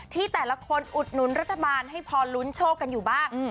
ที่แต่ละคนอุดหนุนรัฐบาลให้พอลุ้นโชคกันอยู่บ้าง